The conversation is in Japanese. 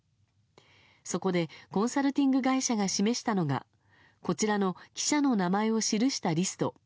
そこでコンサルティング会社が示したのがこちらの記者の名前を記したリスト。